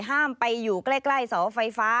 ห้ามไปอยู่ใกล้เสาไฟฟ้า